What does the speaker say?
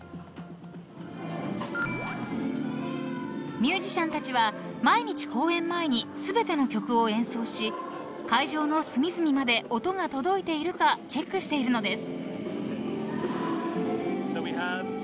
［ミュージシャンたちは毎日公演前に全ての曲を演奏し会場の隅々まで音が届いているかチェックしているのです］